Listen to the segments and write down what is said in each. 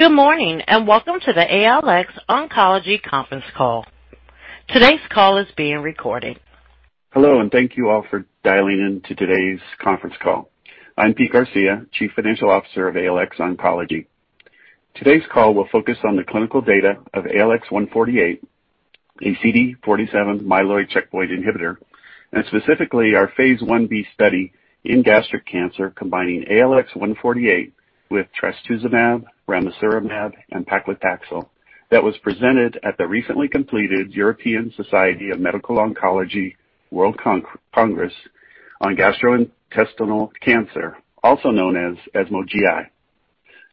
Good morning, welcome to the ALX Oncology conference call. Today's call is being recorded. Hello, thank you all for dialing in to today's conference call. I'm Pete Garcia, Chief Financial Officer of ALX Oncology. Today's call will focus on the clinical data of ALX148, a CD47 myeloid checkpoint inhibitor, specifically our phase I-B study in gastric cancer combining ALX148 with trastuzumab, ramucirumab, and paclitaxel that was presented at the recently completed European Society for Medical Oncology World Congress on Gastrointestinal Cancer, also known as ESMO GI.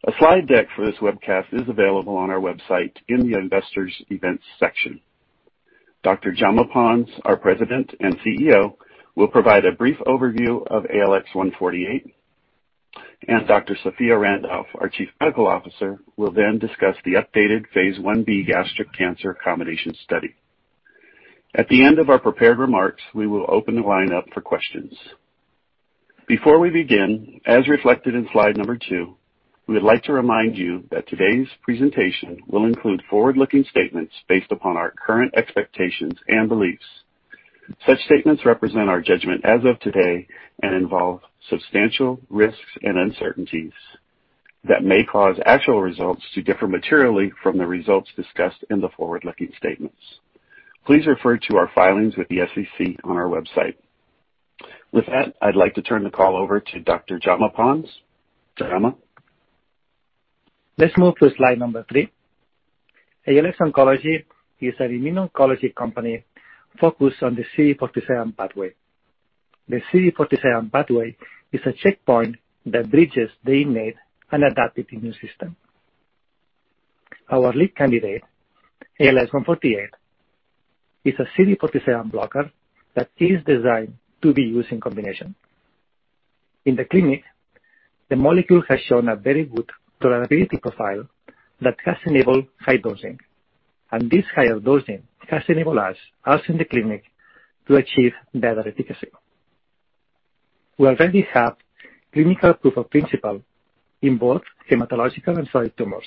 A slide deck for this webcast is available on our website in the Investors Events section. Dr. Jaume Pons, our President and CEO, will provide a brief overview of ALX148, Dr. Sophia Randolph, our Chief Medical Officer, will discuss the updated phase I-B gastric cancer combination study. At the end of our prepared remarks, we will open the line up for questions. Before we begin, as reflected in slide number two, we would like to remind you that today's presentation will include forward-looking statements based upon our current expectations and beliefs. Such statements represent our judgment as of today and involve substantial risks and uncertainties that may cause actual results to differ materially from the results discussed in the forward-looking statements. Please refer to our filings with the SEC on our website. With that, I'd like to turn the call over to Dr. Jaume Pons. Jaume. Let's move to slide number three. ALX Oncology is an immuno-oncology company focused on the CD47 pathway. The CD47 pathway is a checkpoint that bridges the innate and adaptive immune system. Our lead candidate, ALX148, is a CD47 blocker that is designed to be used in combination. In the clinic, the molecule has shown a very good tolerability profile that has enabled high dosing, this higher dosing has enabled us in the clinic to achieve better efficacy. We already have clinical proof of principle in both hematological and solid tumors.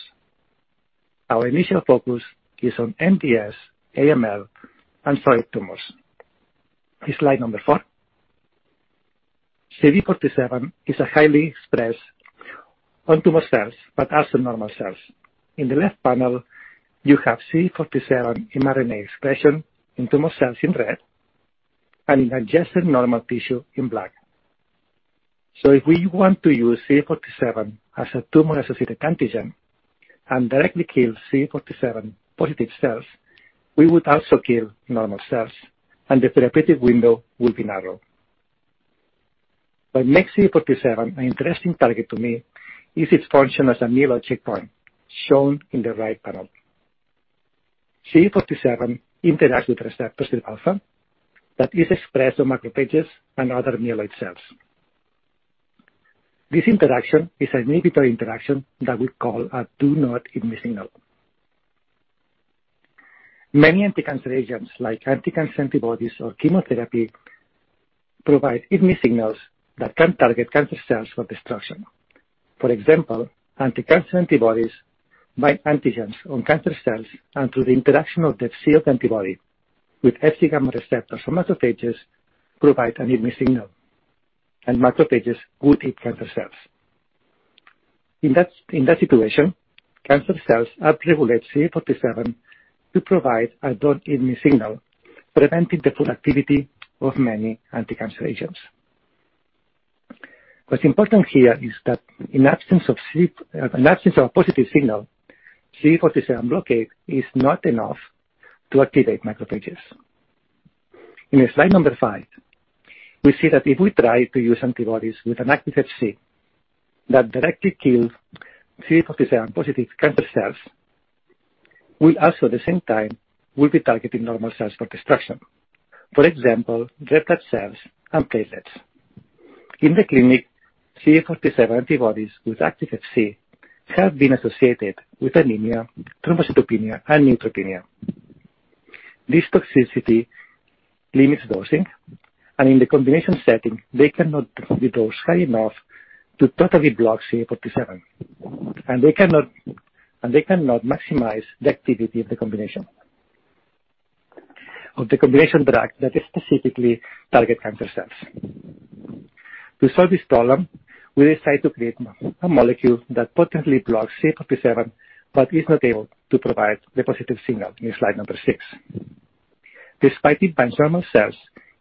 Our initial focus is on MDS, AML, and solid tumors. Slide number four. CD47 is highly expressed on tumor cells, but also normal cells. In the left panel, you have CD47 mRNA expression in tumor cells in red and in adjacent normal tissue in black. If we want to use CD47 as a tumor-associated antigen and directly kill CD47-positive cells, we would also kill normal cells, and the therapeutic window would be narrow. What makes CD47 an interesting target to me is its function as an immune checkpoint, shown in the right panel. CD47 interacts with receptor SIRPα that is expressed on macrophages and other myeloid cells. This interaction is an inhibitory interaction that we call a "do not eat me" signal. Many anticancer agents, like anticancer antibodies or chemotherapy, provide "eat me" signals that can target cancer cells for destruction. For example, anticancer antibodies bind antigens on cancer cells and, through the interaction of the Fc antibody with Fcγ receptors on macrophages, provide an "eat me" signal, and macrophages will eat cancer cells. In that situation, cancer cells upregulate CD47 to provide a "don't eat me" signal, preventing the full activity of many anticancer agents. What's important here is that in absence of a positive signal, CD47 blockade is not enough to activate macrophages. In slide number five, we see that if we try to use antibodies with an active Fc that directly kill CD47-positive cancer cells, we also, at the same time, will be targeting normal cells for destruction, for example, red blood cells and platelets. In the clinic, CD47 antibodies with active Fc have been associated with anemia, thrombocytopenia, and neutropenia. This toxicity limits dosing, and in the combination setting, they cannot dose high enough to totally block CD47. They cannot maximize the activity of the combination drug that specifically targets cancer cells. To solve this problem, we decided to create a molecule that potently blocks CD47 but is not able to provide the positive signal in slide number six. Despite it binds normal cells,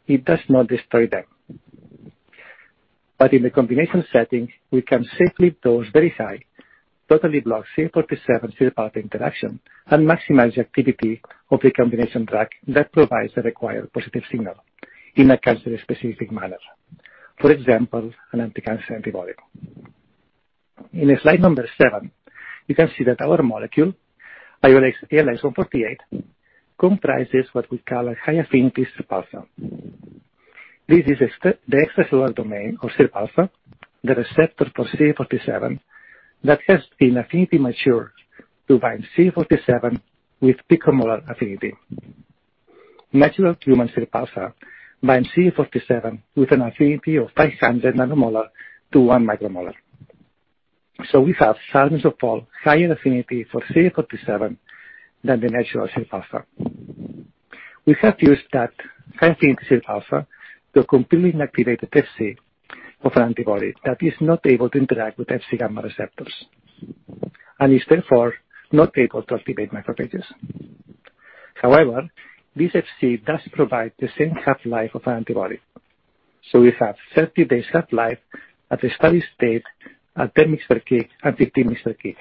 it does not destroy them. But in the combination setting, we can safely dose very high, totally block CD47 through the path interaction, and maximize the activity of the combination drug that provides the required positive signal in a cancer-specific manner. For example, an anticancer antibody. In slide number seven, you can see that our molecule, ALX148, comprises what we call a high-affinity SIRPα. This is the extracellular domain of SIRPα, the receptor for CD47, that has been affinity matured to bind CD47 with picomolar affinity. Natural human SIRPα binding CD47 with an affinity of 500 nanomolar to 1 micromolar. We have thousands-of-fold higher affinity for CD47 than the natural SIRPα. We have used that high-affinity SIRPα to completely inactivate the Fc of antibody that is not able to interact with Fcγ receptors, and is therefore not able to activate macrophages. However, this Fc does provide the same half-life of an antibody. We have 30-day half-life at a steady state, at 10 mg/kg and 15 mg/kg.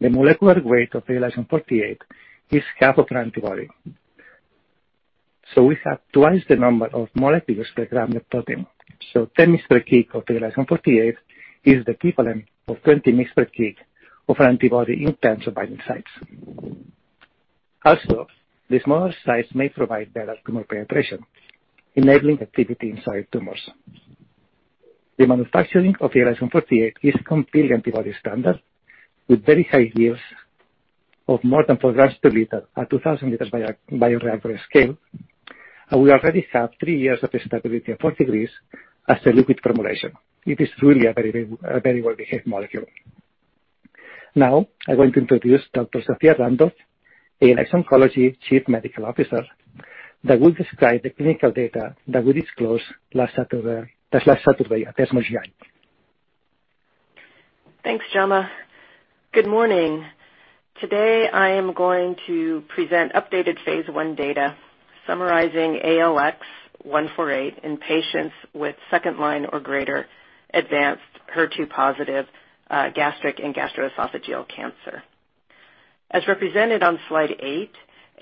The molecular weight of ALX148 is half of an antibody. We have twice the number of molecules per gram of protein. 10 mg/kg of ALX148 is the equivalent of 20 mg/kg of antibody in terms of binding sites. Also, the smaller size may provide better tumor penetration, enabling activity inside tumors. The manufacturing of ALX148 is completely antibody standard, with very high yields of more than four grams per liter at 2,000 L bioreactor scale, and we already have three years of stability at 40 degrees as a liquid formulation. It is really a very well-behaved molecule. I want to introduce Dr. Sophia Randolph, ALX Oncology Chief Medical Officer, that will describe the clinical data that we disclosed last Saturday at ESMO GI. Thanks, Jaume. Good morning. Today, I am going to present updated phase I data summarizing ALX148 in patients with second-line or greater advanced HER2-positive gastric and gastroesophageal cancer. As represented on slide eight,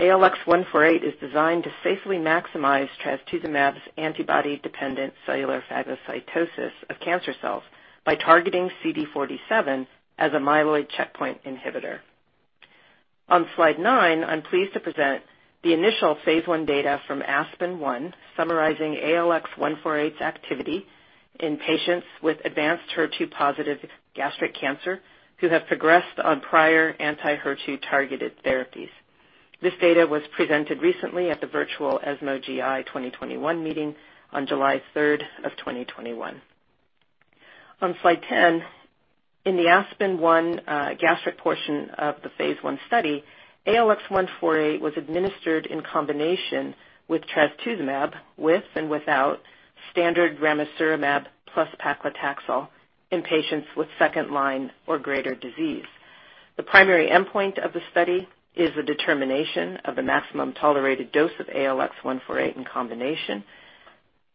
ALX148 is designed to safely maximize trastuzumab's antibody-dependent cellular phagocytosis of cancer cells by targeting CD47 as a myeloid checkpoint inhibitor. On slide nine, I'm pleased to present the initial phase I data from ASPEN-01 summarizing ALX148's activity in patients with advanced HER2-positive gastric cancer who have progressed on prior anti-HER2 targeted therapies. This data was presented recently at the virtual ESMO GI 2021 meeting on July 3rd of 2021. On slide 10, in the ASPEN-01 gastric portion of the phase I study, ALX148 was administered in combination with trastuzumab, with and without standard ramucirumab plus paclitaxel in patients with second-line or greater disease. The primary endpoint of the study is the determination of a maximum tolerated dose of ALX148 in combination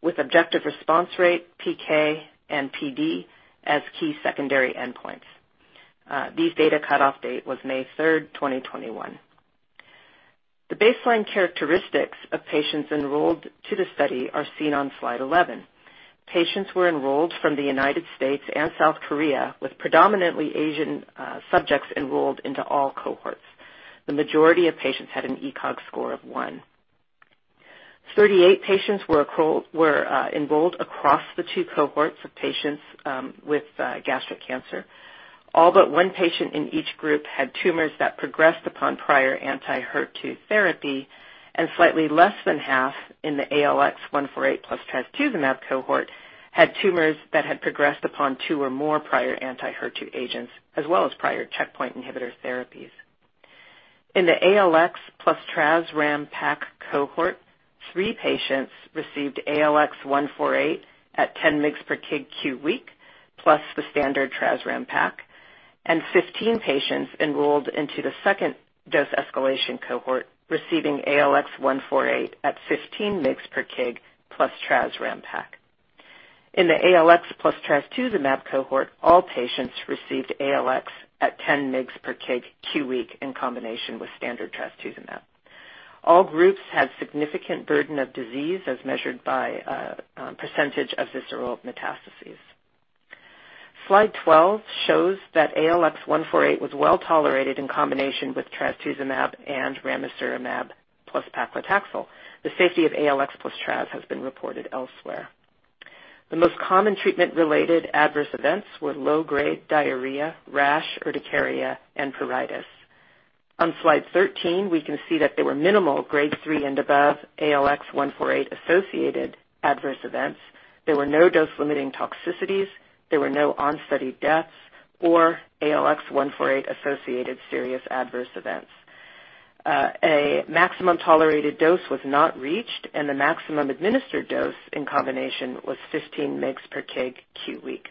with objective response rate, PK, and PD as key secondary endpoints. This data cutoff date was May 3rd, 2021. The baseline characteristics of patients enrolled to the study are seen on slide 11. Patients were enrolled from the U.S. and South Korea, with predominantly Asian subjects enrolled into all cohorts. The majority of patients had an ECOG score of 1. 38 patients were enrolled across the two cohorts of patients with gastric cancer. All but one patient in each group had tumors that progressed upon prior anti-HER2 therapy, and slightly less than half in the ALX148 plus trastuzumab cohort had tumors that had progressed upon two or more prior anti-HER2 agents, as well as prior checkpoint inhibitor therapies. In the ALX plus tras/ram/pac cohort, three patients received ALX148 at 10 mg/kg QW, plus the standard tras/ram/pac, and 15 patients enrolled into the second dose escalation cohort, receiving ALX148 at 15 mg/kg plus tras/ram/pac. In the ALX plus trastuzumab cohort, all patients received ALX at 10 mg/kg QW in combination with standard trastuzumab. All groups had significant burden of disease as measured by percentage of visceral metastases. Slide 12 shows that ALX148 was well-tolerated in combination with trastuzumab and ramucirumab plus paclitaxel. The safety of ALX plus tras has been reported elsewhere. The most common treatment-related adverse events were low-grade diarrhea, rash, urticaria, and pruritus. On slide 13, we can see that there were minimal Grade 3 and above ALX148-associated adverse events. There were no dose-limiting toxicities. There were no on-study deaths or ALX148-associated serious adverse events. A maximum tolerated dose was not reached, and the maximum administered dose in combination was 15 mg/kg QW.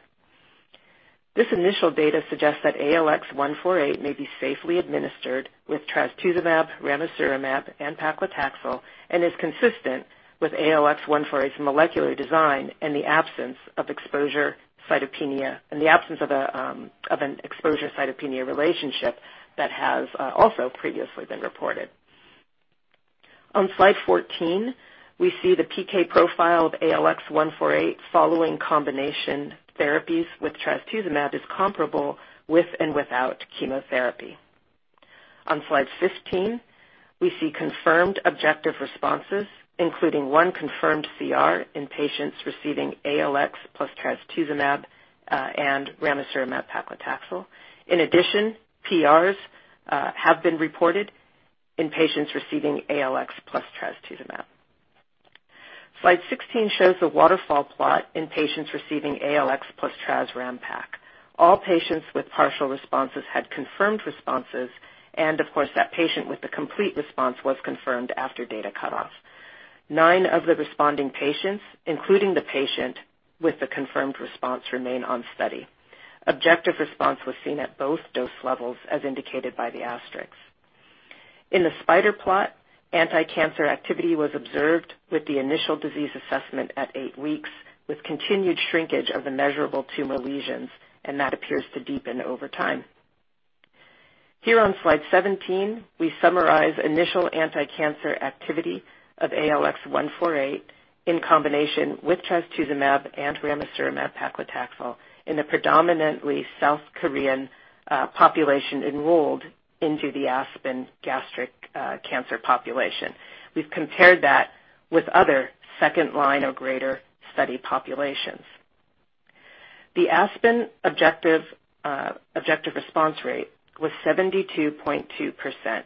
This initial data suggests that ALX148 may be safely administered with trastuzumab, ramucirumab, and paclitaxel and is consistent with ALX148's molecular design in the absence of an exposure-cytopenia relationship that has also previously been reported. On slide 14, we see the PK profile of ALX148 following combination therapies with trastuzumab is comparable with and without chemotherapy. On slide 15, we see confirmed objective responses, including one confirmed CR in patients receiving ALX plus trastuzumab and ramucirumab paclitaxel. In addition, PRs have been reported in patients receiving ALX plus trastuzumab. Slide 16 shows the waterfall plot in patients receiving ALX plus tras/ram/pac. All patients with partial responses had confirmed responses. Of course, that patient with the complete response was confirmed after data cutoff. Nine of the responding patients, including the patient with the confirmed response, remain on study. Objective response was seen at both dose levels, as indicated by the asterisks. In the spider plot, anticancer activity was observed with the initial disease assessment at eight weeks, with continued shrinkage of immeasurable tumor lesions. That appears to deepen over time. Here on slide 17, we summarize initial anticancer activity of ALX148 in combination with trastuzumab and ramucirumab paclitaxel in a predominantly South Korean population enrolled into the ASPEN gastric cancer population. We've compared that with other second-line or greater study populations. The ASPEN objective response rate was 72.2%,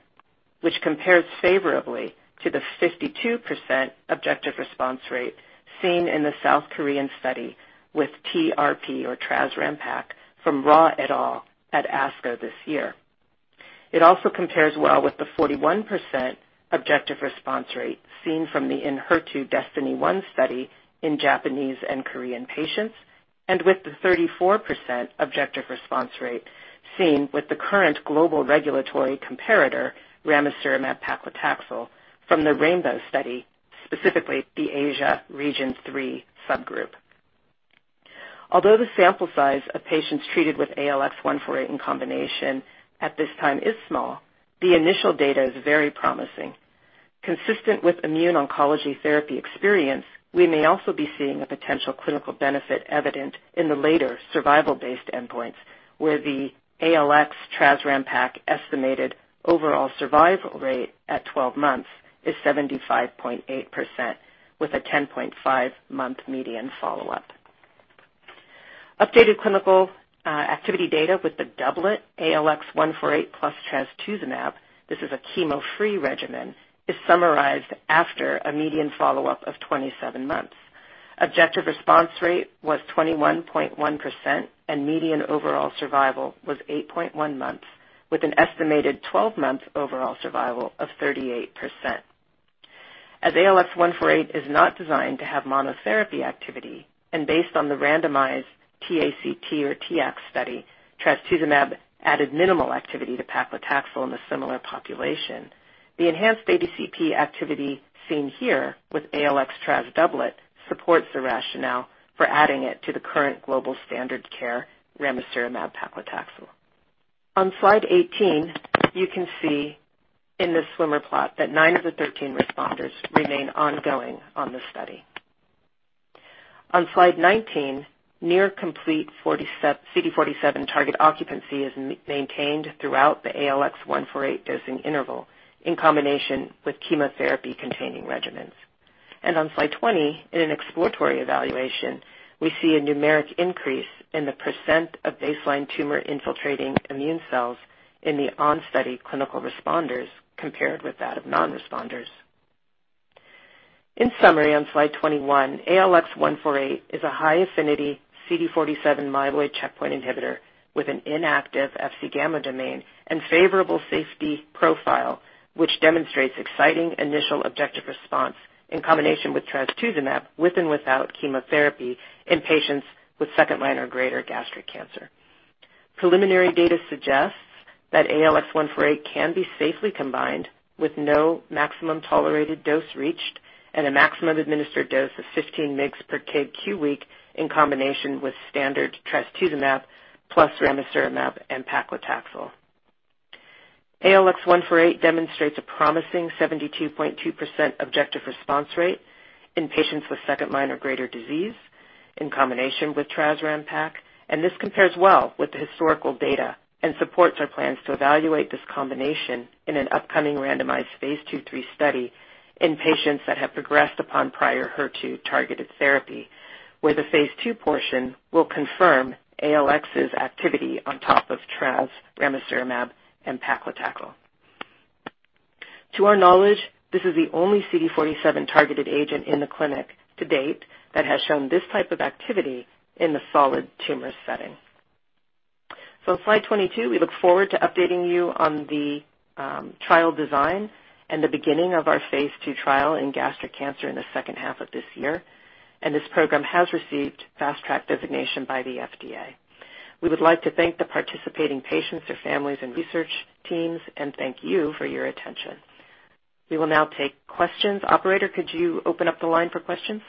which compares favorably to the 52% objective response rate seen in the South Korean study with TRP or tras/ram/pac from Rha et al. at ASCO this year. It also compares well with the 41% objective response rate seen from the ENHERTU DESTINY-01 study in Japanese and Korean patients, and with the 34% objective response rate seen with the current global regulatory comparator, ramucirumab paclitaxel, from the RAINBOW study, specifically the Asia Region 3 subgroup. Although the sample size of patients treated with ALX148 in combination at this time is small, the initial data is very promising. Consistent with immune oncology therapy experience, we may also be seeing the potential clinical benefit evident in the later survival-based endpoints, where the ALX tras/ram/pac estimated overall survival rate at 12 months is 75.8%, with a 10.5-month median follow-up. Updated clinical activity data with the doublet ALX148 plus trastuzumab, this is a chemo-free regimen, is summarized after a median follow-up of 27 months. Objective response rate was 21.1%, median overall survival was 8.1 months, with an estimated 12-month overall survival of 38%. As ALX148 is not designed to have monotherapy activity, based on the randomized T-ACT study, trastuzumab added minimal activity to paclitaxel in a similar population, the enhanced ADCP activity seen here with ALX tras doublet supports the rationale for adding it to the current global standard of care, ramucirumab paclitaxel. On slide 18, you can see in the swimmer plot that nine of the 13 responders remain ongoing on the study. On slide 19, near complete CD47 target occupancy is maintained throughout the ALX148 dosing interval in combination with chemotherapy-containing regimens. On slide 20, in an exploratory evaluation, we see a numeric increase in the percent of baseline tumor-infiltrating immune cells in the on-study clinical responders compared with that of non-responders. In summary, on slide 21, ALX148 is a high-affinity CD47 myeloid checkpoint inhibitor with an inactive Fcγ domain and favorable safety profile, which demonstrates exciting initial objective response in combination with trastuzumab, with and without chemotherapy, in patients with second-line or greater gastric cancer. Preliminary data suggests that ALX148 can be safely combined with no maximum tolerated dose reached and a maximum administered dose of 15 mg/kg QW in combination with standard trastuzumab plus ramucirumab and paclitaxel. ALX148 demonstrates a promising 72.2% objective response rate in patients with second-line or greater disease in combination with tras/ram/pac. This compares well with the historical data and supports our plans to evaluate this combination in an upcoming randomized phase II/III study in patients that have progressed upon prior HER2-targeted therapy, where the phase II portion will confirm ALX's activity on top of tras, ramucirumab, and paclitaxel. To our knowledge, this is the only CD47-targeted agent in the clinic to date that has shown this type of activity in the solid tumor setting. Slide 22, we look forward to updating you on the trial design and the beginning of our phase II trial in gastric cancer in the second half of this year, and this program has received Fast Track designation by the FDA. We would like to thank the participating patients, their families, and research teams, and thank you for your attention. We will now take questions. Operator, could you open up the line for questions?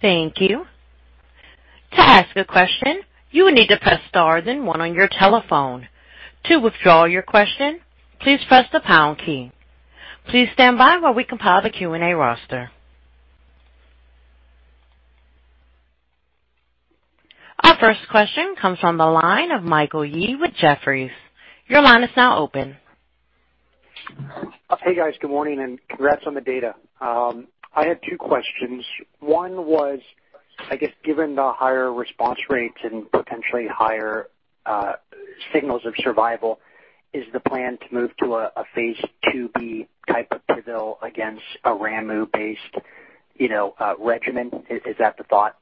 Thank you. To ask a question, you will need to press star then one on your telephone. To withdraw your question, please press the pound key. Please stand by while we compile the Q&A roster. Our first question comes from the line of Michael Yee with Jefferies. Your line is now open. Hey, guys. Good morning, and congrats on the data. I have two questions. One was, I guess, given the higher response rates and potentially higher signals of survival, is the plan to move to a phase II-B type of pivotal against a ramu-based regimen? Is that the thought?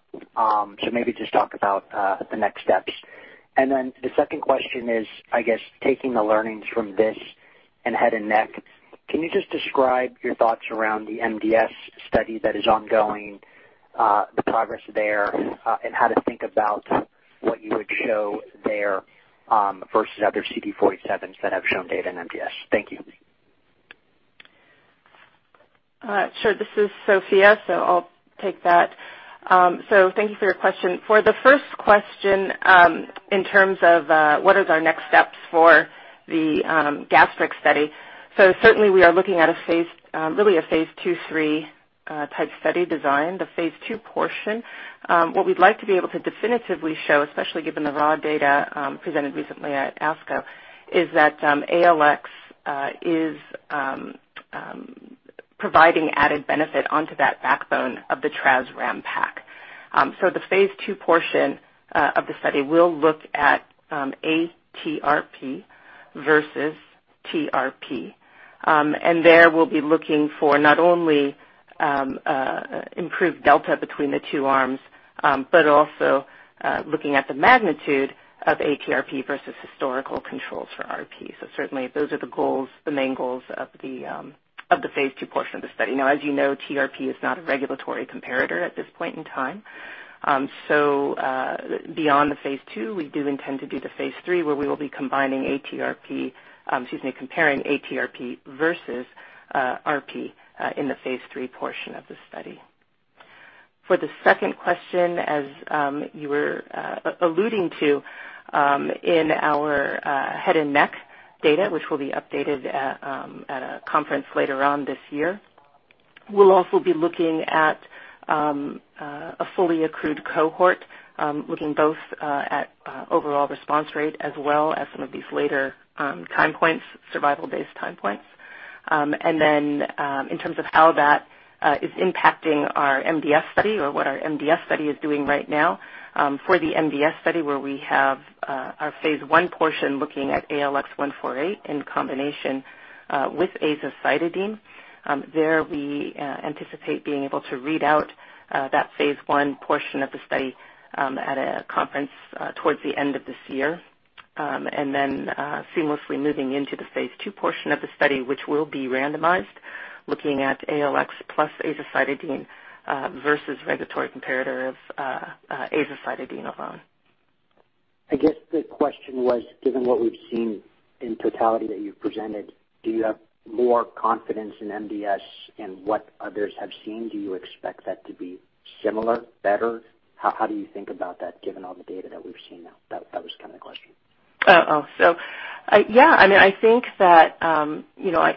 Maybe just talk about the next steps. The second question is, I guess, taking the learnings from this in head and neck, can you just describe your thoughts around the MDS study that is ongoing, the progress there, and how to think about what you would show there versus other CD47s that have shown data in MDS? Thank you. Sure. This is Sophia, I'll take that. Thank you for your question. For the first question, in terms of what is our next steps for the gastric study. Certainly, we are looking at a phase II/III type study design, the phase II portion. What we'd like to be able to definitively show, especially given the Rha et al. data presented recently at ASCO, is that ALX is providing added benefit onto that backbone of the tras/ram/pac. The phase II portion of the study will look at ETRP versus TRP. There, we'll be looking for not only improved delta between the two arms, but also looking at the magnitude of ETRP versus historical control TRP. Certainly, those are the main goals of the phase II portion of the study. Now, as you know, TRP is not a regulatory comparator at this point in time. Beyond the phase II, we do intend to do the phase III, where we will be comparing ETRP versus RP in the phase III portion of the study. For the second question, as you were alluding to, in our head and neck data, which will be updated at a conference later on this year, we'll also be looking at a fully accrued cohort, looking both at overall response rate as well as some of these later survival-based time points. In terms of how that is impacting our MDS study or what our MDS study is doing right now, for the MDS study where we have our phase I portion looking at ALX148 in combination with azacitidine, there we anticipate being able to read out that phase I portion of the study at a conference towards the end of this year. Seamlessly moving into the phase II portion of the study, which will be randomized, looking at ALX plus azacitidine versus regulatory comparator of azacitidine alone. I guess the question was, given what we've seen in totality that you've presented, do you have more confidence in MDS and what others have seen? Do you expect that to be similar, better? How do you think about that given all the data that we've seen now? That was the question. Yeah.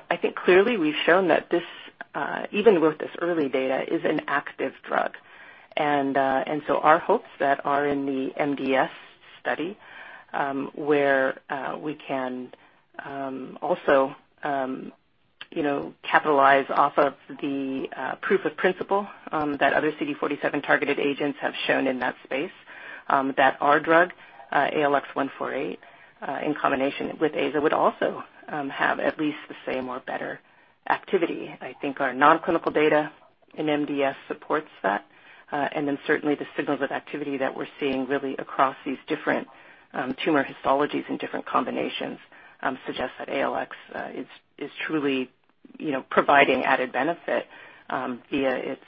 I think clearly we've shown that this, even with this early data, is an active drug. Our hopes that are in the MDS study, where we can also capitalize off of the proof of principle that other CD47-targeted agents have shown in that space, that our drug, ALX148, in combination with AZA, would also have at least the same or better activity. I think our non-clinical data in MDS supports that. Certainly the signals of activity that we're seeing really across these different tumor histologies and different combinations suggest that ALX is truly providing added benefit via its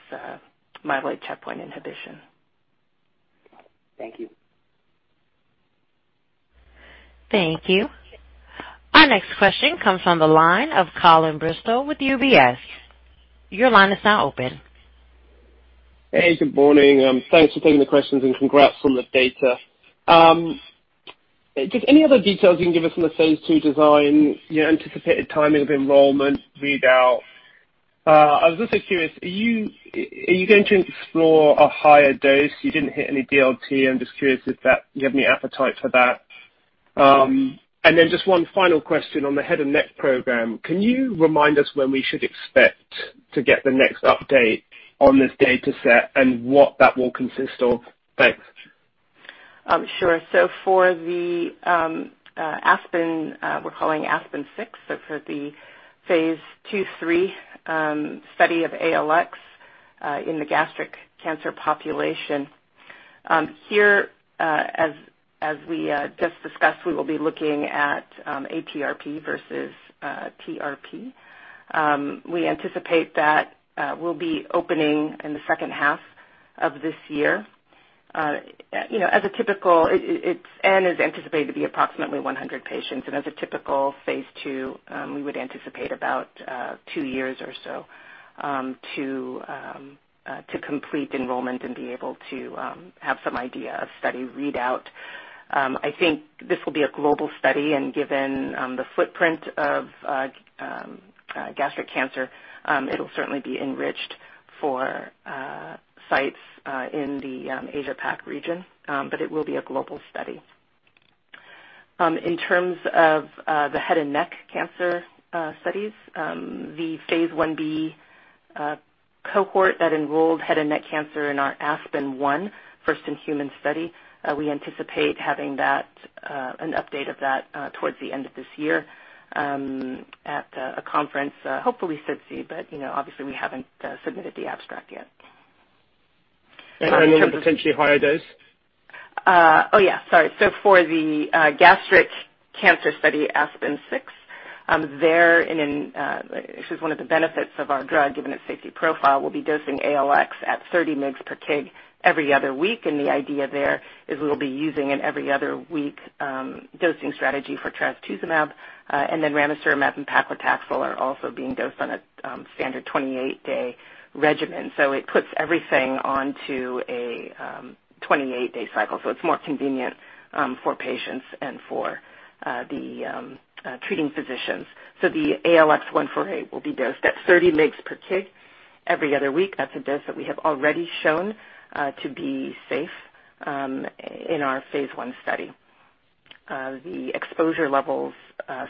myeloid checkpoint inhibition. Thank you. Thank you. Our next question comes on the line of Colin Bristow with UBS. Your line is now open. Hey, good morning. Thanks for taking the questions and congrats on the data. Just any other details you can give us on the phase II design, your anticipated timing of enrollment readout? I was also curious, are you going to explore a higher dose? You didn't hit any DLT. I'm just curious if you have any appetite for that. Then just one final question on the head and neck program, can you remind us when we should expect to get the next update on this data set and what that will consist of? Thanks. Sure. For the ASPEN, we're calling ASPEN-06, for the phase II/III study of ALX in the gastric cancer population. Here, as we just discussed, we will be looking at ETRP versus TRP. We anticipate that we'll be opening in the second half of this year. Is anticipated to be approximately 100 patients. As a typical phase II, we would anticipate about two years or so to complete enrollment and be able to have some idea of study readout. I think this will be a global study, and given the footprint of gastric cancer, it'll certainly be enriched for sites in the Asia Pac region, but it will be a global study. In terms of the head and neck cancer studies, the phase I-B cohort that enrolled head and neck cancer in our ASPEN-01, first-in-human study. We anticipate having an update of that towards the end of this year at a conference, hopefully SITC, but obviously we haven't submitted the abstract yet. The potentially higher dose? Oh, yeah. Sorry. For the gastric cancer study, ASPEN-06, this is one of the benefits of our drug, given its safety profile. We'll be dosing ALX at 30 mg/kg every other week, the idea there is we'll be using an every other week dosing strategy for trastuzumab. Ramucirumab and paclitaxel are also being dosed on a standard 28-day regimen. It puts everything onto a 28-day cycle, it's more convenient for patients and for the treating physicians. The ALX148 will be dosed at 30 mg/kg every other week. That's a dose that we have already shown to be safe in our phase I study. The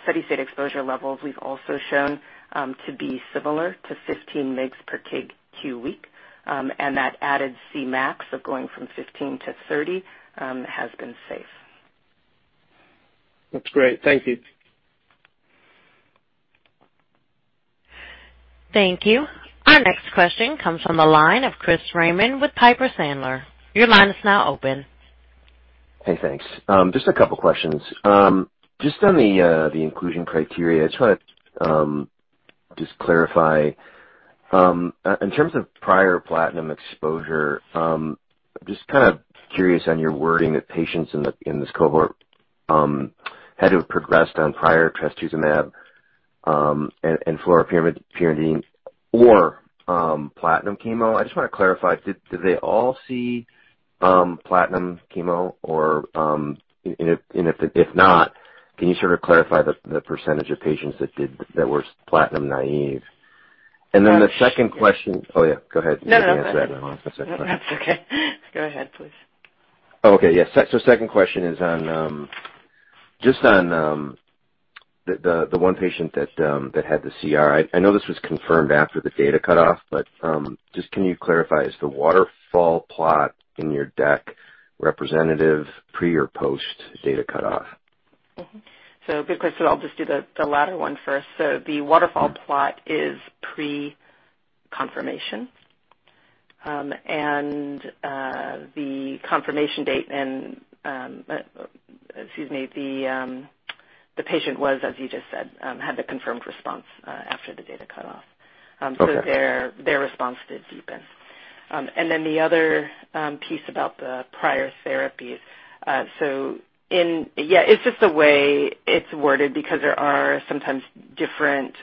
steady-state exposure levels we've also shown to be similar to 15 mg/kg QW, that added Cmax of going from 15 mg/kg to 30 mg/kg has been safe. That's great. Thank you. Thank you. Our next question comes from the line of Chris Raymond with Piper Sandler. Your line is now open. Hey, thanks. Just a couple of questions. Just on the inclusion criteria, I just want to just clarify, in terms of prior platinum exposure, I'm just curious on your wording that patients in this cohort had to have progressed on prior trastuzumab and fluoropyrimidine or platinum chemo. I just want to clarify, did they all see platinum chemo? If not, can you sort of clarify the percentage of patients that were platinum naive? The second question. Oh, yeah, go ahead. No, no. That's okay. Go ahead, please. Okay. Yeah. Second question is on just on the one patient that had the CR. I know this was confirmed after the data cutoff, but just can you clarify, is the waterfall plot in your deck representative pre or post data cutoff? Because I'll just do the latter one first. The waterfall plot is pre-confirmation, and the confirmation date and, excuse me, the patient was, as you just said, had the confirmed response after the data cutoff. Okay. Their response did deepen. Then the other piece about the prior therapy. Yeah, it's just the way it's worded because there are sometimes different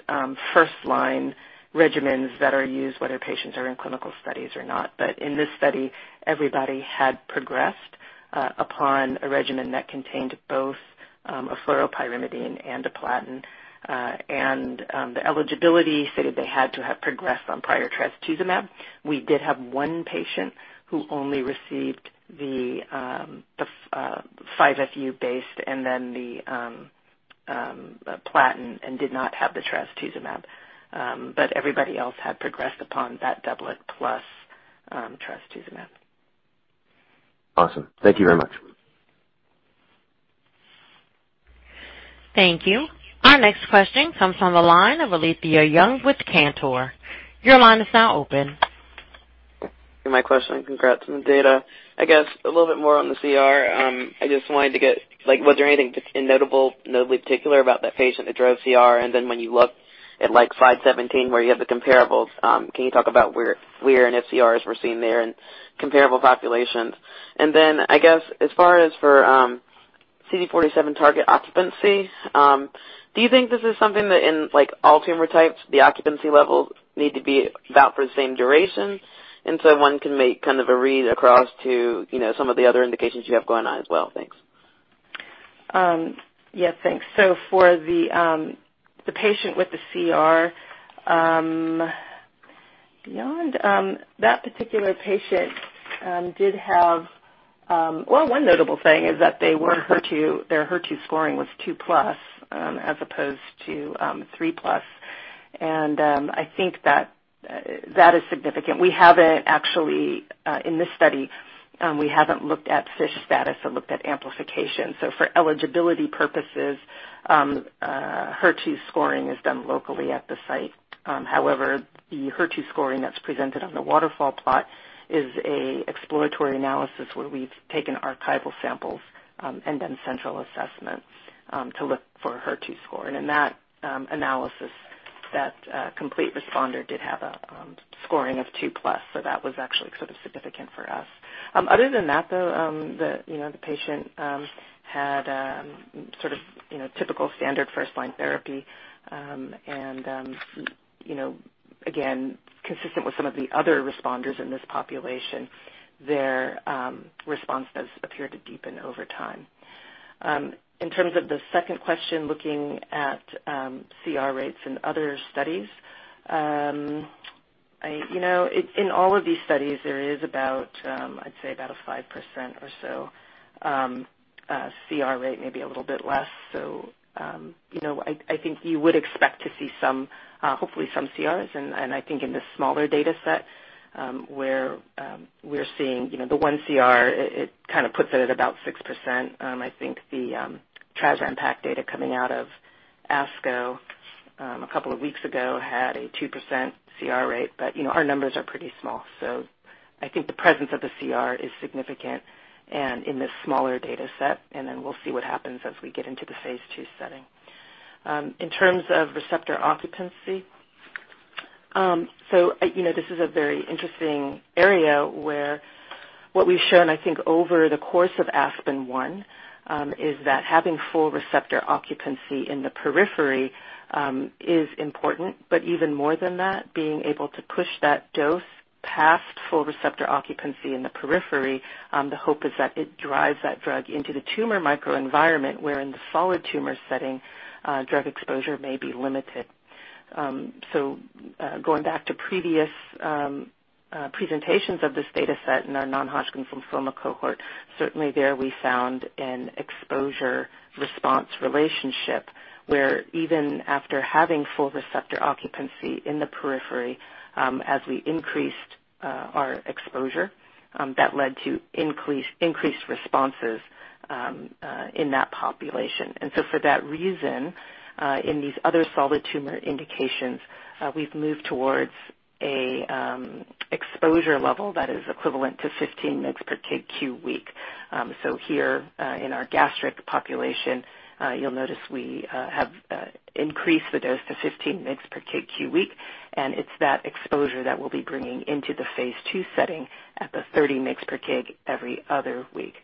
first-line regimens that are used, whether patients are in clinical studies or not. In this study, everybody had progressed upon a regimen that contained both a fluoropyrimidine and a platinum. The eligibility stated they had to have progressed on prior trastuzumab. We did have one patient who only received the 5-FU based and then the platinum and did not have the trastuzumab. Everybody else had progressed upon that doublet plus trastuzumab. Awesome. Thank you very much. Thank you. Our next question comes from the line of Alethia Young with Cantor. Your line is now open. Congrats on the data. A little bit more on the CR. Was there anything notable in particular about that patient that drove CR? When you look at ASPEN-01, where you have the comparables, can you talk about where CRs were seen there in comparable populations? As for CD47 target occupancy, do you think this is something that in all tumor types, the occupancy levels need to be about the same duration, and one can make a read across to some of the other indications you have going on? Thanks. Yeah, thanks. For the patient with the CR, that particular patient did have. Well, one notable thing is that their HER2 scoring was 2+ as opposed to 3+. I think that is significant. We haven't actually, in this study, we haven't looked at tissue status or looked at amplification. For eligibility purposes, HER2 scoring is done locally at the site. However, the HER2 scoring that's presented on the waterfall plot is an exploratory analysis where we've taken archival samples and done central assessments to look for HER2 scoring. In that analysis, that complete responder did have a scoring of 2+, that was actually sort of significant for us. Other than that, though, the patient had typical standard first-line therapy, and again, consistent with some of the other responders in this population, their response does appear to deepen over time. In terms of the second question, looking at CR rates in other studies, in all of these studies, there is about, I'd say about 5% or so CR rate, maybe a little bit less. I think you would expect to see hopefully some CRs, and I think in the smaller data set where we're seeing the one CR, it puts it at about 6%. I think the tras/ram/pac data coming out of ASCO a couple of weeks ago had a 2% CR rate. Our numbers are pretty small, so I think the presence of a CR is significant and in this smaller data set, and then we'll see what happens as we get into the phase II setting. In terms of receptor occupancy, this is a very interesting area where what we've shown, I think, over the course of ASPEN-01, is that having full receptor occupancy in the periphery is important, but even more than that, being able to push that dose past full receptor occupancy in the periphery, the hope is that it drives that drug into the tumor microenvironment, where in the solid tumor setting, drug exposure may be limited. Going back to previous presentations of this data set in our non-Hodgkin's lymphoma cohort, certainly there we found an exposure-response relationship where even after having full receptor occupancy in the periphery, as we increased our exposure, that led to increased responses in that population. For that reason, in these other solid tumor indications, we've moved towards an exposure level that is equivalent to 15 mg/kg QW. Here in our gastric population, you'll notice we have increased the dose to 15 mg/kg QW, and it's that exposure that we'll be bringing into the phase II setting at the 30 mg/kg every other week.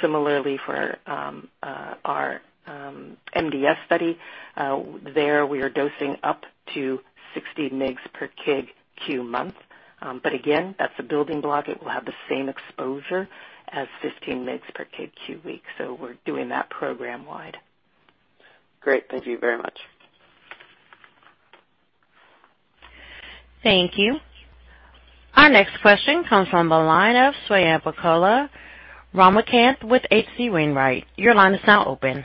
Similarly for our MDS study, there we are dosing up to 60 mg/kg QM. Again, that's a building block. It will have the same exposure as 15 mg/kg QW. We're doing that program-wide. Great. Thank you very much. Thank you. Our next question comes from the line of Swayampakula Ramakanth with H.C. Wainwright. Your line is now open.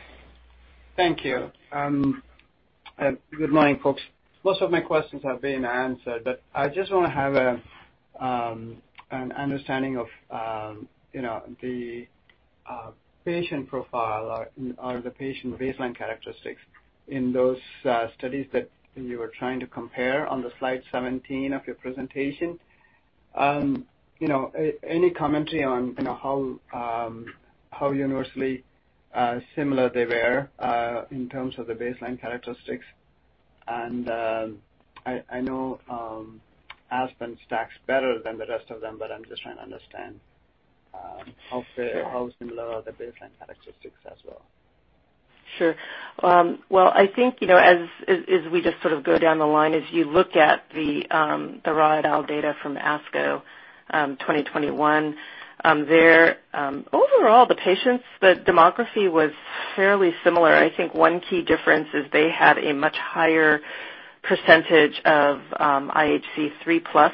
Thank you. Good morning, folks. Most of my questions have been answered, I just want to have an understanding of the patient profile or the patient baseline characteristics in those studies that you were trying to compare on the slide 17 of your presentation. Any commentary on how universally similar they were in terms of the baseline characteristics? I know ASPEN stacks better than the rest of them, I'm just trying to understand how similar the baseline characteristics as well. Sure. Well, I think, as we just go down the line, if you look at the raw data from ASCO 2021, there, overall, the patients, the demography was fairly similar. I think one key difference is they had a much higher percentage of IHC 3+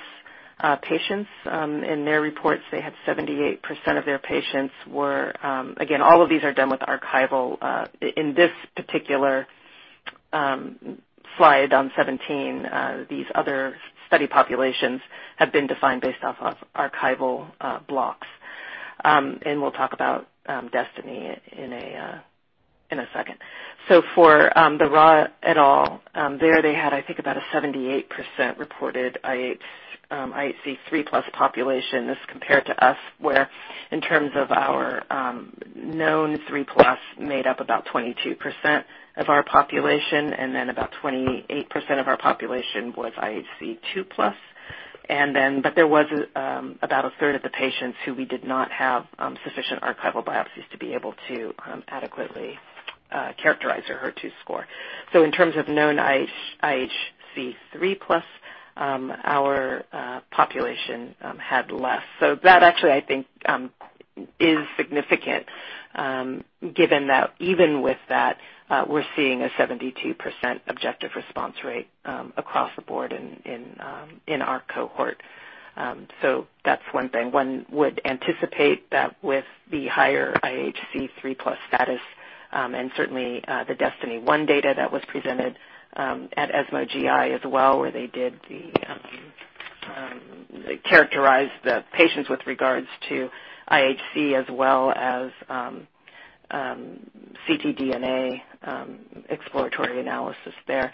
patients. In their reports, they had 78% of their patients were, again, all of these are done with archival. In this particular slide 17, these other study populations have been defined based off archival blocks. We'll talk about DESTINY in a second. For the Rha et al., there they had, I think, about a 78% reported IHC 3+ population as compared to us, where in terms of our known 3+ made up about 22% of our population, and then about 28% of our population was IHC 2+. There was about a third of the patients who we did not have sufficient archival biopsies to be able to adequately characterize their HER2 score. In terms of known IHC 3+, our population had less. That actually, I think, is significant, given that even with that, we're seeing a 72% objective response rate across the board in our cohort. That's one thing. One would anticipate that with the higher IHC 3+ status, and certainly the DESTINY-01 data that was presented at ESMO GI as well, where they characterized the patients with regards to IHC as well as ctDNA exploratory analysis there.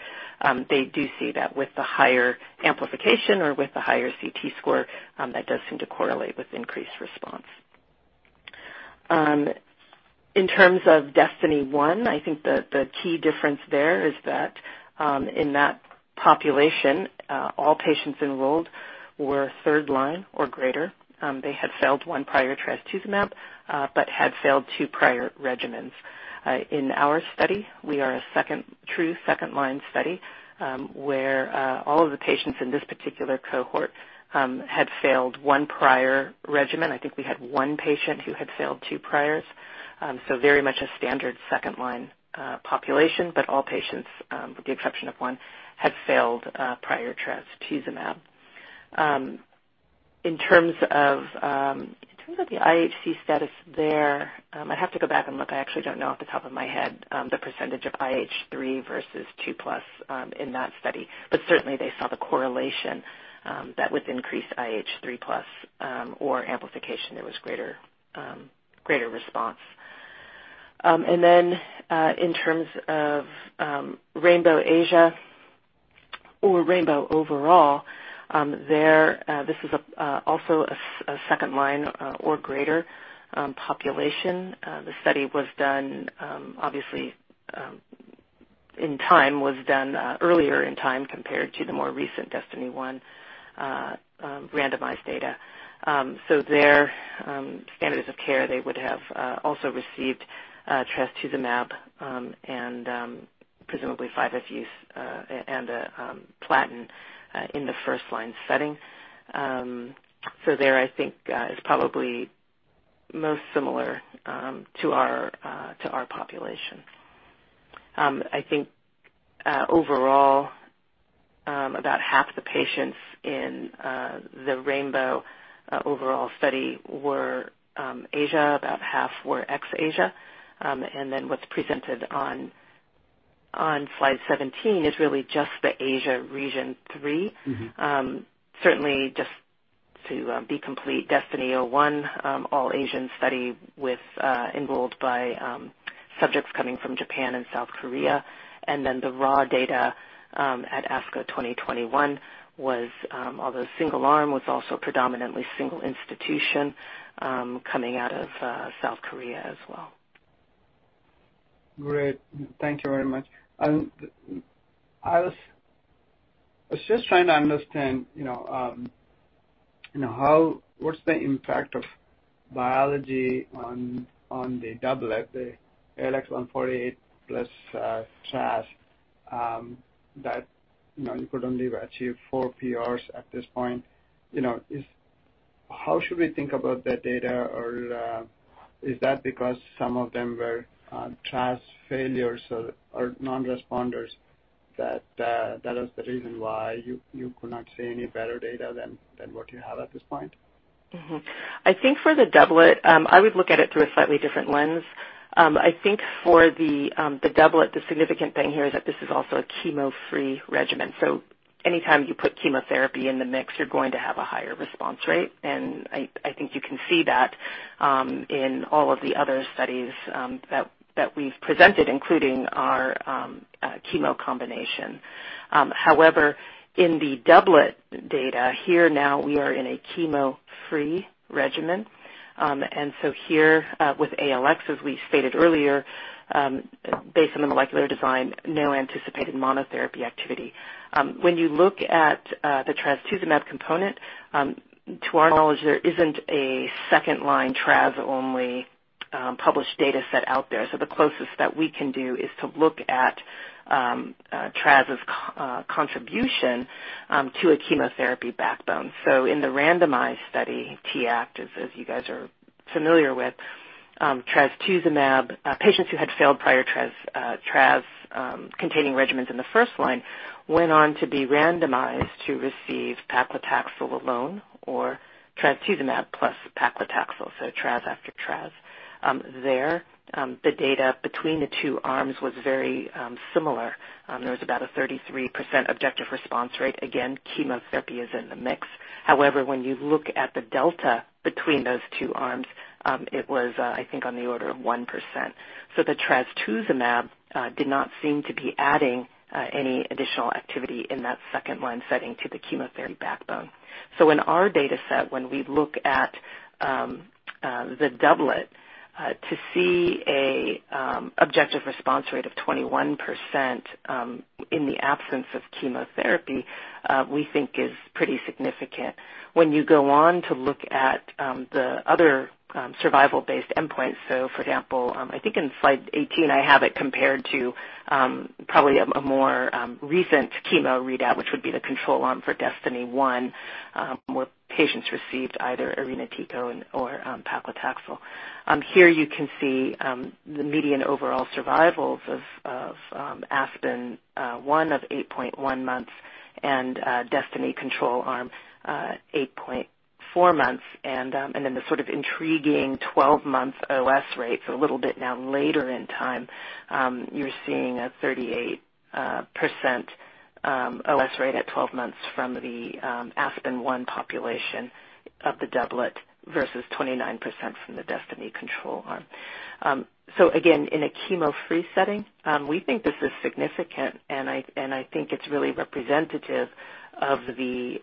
They do see that with the higher amplification or with the higher ctDNA score, that does seem to correlate with increased response. In terms of DESTINY-01, I think that the key difference there is that in that population, all patients enrolled were third line or greater. They had failed 1 prior trastuzumab but had failed two prior regimens. In our study, we are a true second-line study, where all of the patients in this particular cohort had failed one prior regimen. I think we had one patient who had failed two priors, so very much a standard second-line population, but all patients, with the exception of one, had failed prior trastuzumab. In terms of the IHC status there, I have to go back. I actually don't know off the top of my head the percentage of IHC 3 versus 2+ in that study. Certainly, they saw the correlation that with increased IHC 3+ or amplification, there was greater response. In terms of RAINBOW Asia or RAINBOW overall, this is also a second-line or greater population. The study was done, obviously, earlier in time compared to the more recent DESTINY-01 randomized data. There, standards of care, they would have also received trastuzumab and presumably 5-FU and platinum in the first-line setting. There, I think, is probably most similar to our population. I think overall, about half the patients in the RAINBOW overall study were Asia, about half were ex-Asia. What's presented on slide 17 is really just the Asia Region 3. Certainly, just to be complete, DESTINY-01, all Asian study enrolled by subjects coming from Japan and South Korea. The raw data at ASCO 2021 was, although single arm, was also predominantly single institution coming out of South Korea as well. Great. Thank you very much. I was just trying to understand, what's the impact of biology on the doublet, the ALX148 plus traz that you could only achieve four PRs at this point. How should we think about that data? Or is that because some of them were traz failures or non-responders, that is the reason why you could not see any better data than what you have at this point? I think for the doublet, I would look at it through a slightly different lens. I think for the doublet, the significant thing here is that this is also a chemo-free regimen. Anytime you put chemotherapy in the mix, you're going to have a higher response rate. I think you can see that in all of the other studies that we've presented, including our chemo combination. However, in the doublet data here now we are in a chemo-free regimen. Here with ALX, as we stated earlier, based on the molecular design, no anticipated monotherapy activity. When you look at the trastuzumab component, to our knowledge, there isn't a second-line tras-only published data set out there. The closest that we can do is to look at tras's contribution to a chemotherapy backbone. In the randomized study, T-ACT, as you guys are familiar with, patients who had failed prior trastuzumab-containing regimen in the first-line went on to be randomized to receive paclitaxel alone or trastuzumab plus paclitaxel. trastuzumab after trastuzumab. There, the data between the two arms was very similar. There was about a 33% objective response rate. Again, chemotherapy is in the mix. However, when you look at the delta between those two arms, it was, I think, on the order of 1%. The trastuzumab did not seem to be adding any additional activity in that second-line setting to the chemotherapy backbone. In our data set, when we look at the doublet to see an objective response rate of 21% in the absence of chemotherapy, we think is pretty significant. When you go on to look at the other survival-based endpoints, for example, I think in slide 18, I have it compared to probably a more recent chemo readout, which would be the control arm for DESTINY-01, where patients received either irinotecan or paclitaxel. Here you can see the median overall survivals of ASPEN-01 of 8.1 months and DESTINY-01 control arms 8.4 months. The intriguing 12-month OS rates a little bit now later in time, you're seeing a 38% OS rate at 12 months from the ASPEN-01 population of the doublet versus 29% from the DESTINY control arm. Again, in a chemo-free setting, we think this is significant, and I think it's really representative of the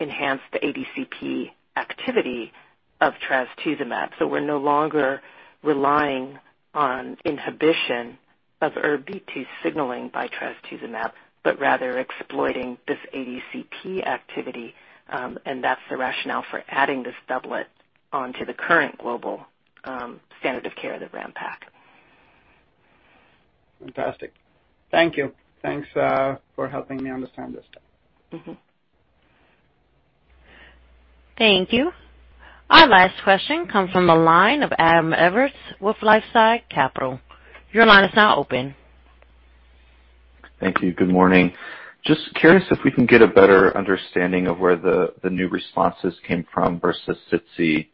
enhanced ADCP activity of trastuzumab. We're no longer relying on inhibition of ErbB2 signaling by trastuzumab, but rather exploiting this ADCP activity. That's the rationale for adding this doublet onto the current global standard of care, the ram/pac. Fantastic. Thank you. Thanks for helping me understand this. Thank you. Our last question comes from the line of Adam Evertts with LifeSci Capital. Your line is now open. Thank you. Good morning. Just curious if we can get a better understanding of where the new responses came from versus SITC.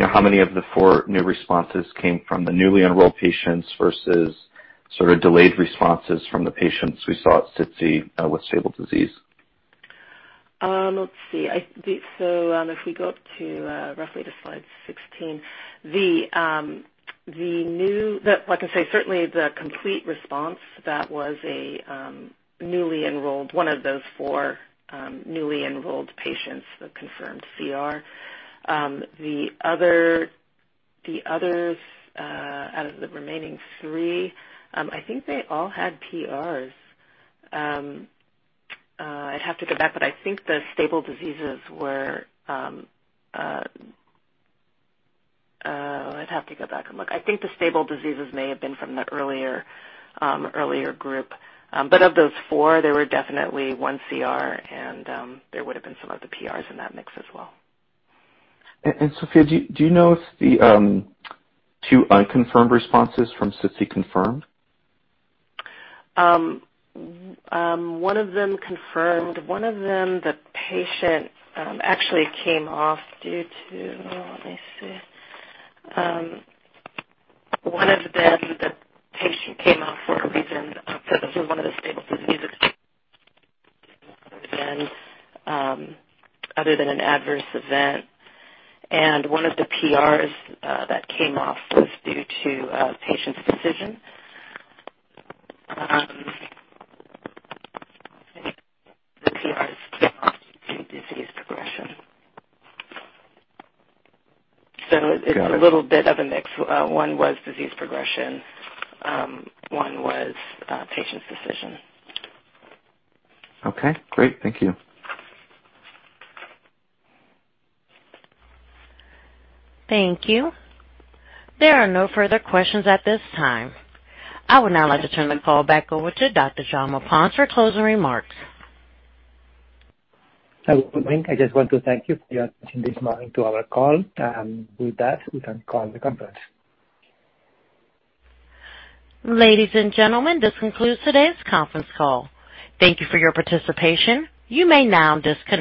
How many of the four new responses came from the newly enrolled patients versus sort of delayed responses from the patients we saw at SITC with stable disease? Let's see. If we go up to roughly the slide 16. Like I said, certainly the complete response, that was a newly enrolled, one of those four newly enrolled patients with confirmed CR. The others, out of the remaining three, I think they all had PRs. I'd have to go back, I think the stable diseases were I'd have to go back and look. I think the stable diseases may have been from the earlier group. Of those four, there were definitely one CR, and there would've been some other PRs in that mix as well. Sophia, do you know if the 2 unconfirmed responses from SITC confirmed? One of them confirmed. One of them, the patient actually came off due to Let me see. One of them, the patient came off for a reason other than one of the stable diseases. Other than an adverse event. One of the PRs that came off was due to a patient's decision. I think the other PR was due to disease progression. It was a little bit of a mix. One was disease progression. One was patient's decision. Okay, great. Thank you. Thank you. There are no further questions at this time. I would now like to turn the call back over to Dr. Jaume Pons for closing remarks. I just want to thank you for your attention this morning to our call and with that, we can call the conference. Ladies and gentlemen, this concludes today's conference call. Thank you for your participation. You may now disconnect.